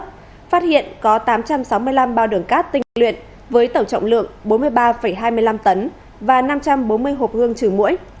phát hiện có tám trăm sáu mươi năm bao đường cát tinh luyện với tổng trọng lượng bốn mươi ba hai mươi năm tấn và năm trăm bốn mươi hộp hương trừ mũi